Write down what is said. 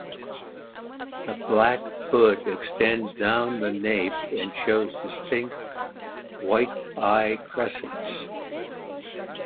The black hood extends down the nape and shows distinct white eye crescents.